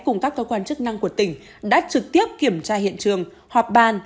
cùng các cơ quan chức năng của tỉnh đã trực tiếp kiểm tra hiện trường họp bàn